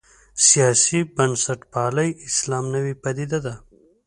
سیاسي بنسټپالی اسلام نوې پدیده ده.